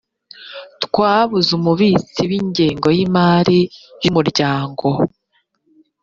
twabuze umubitsi w’ ingengo y’ imari y’umuryango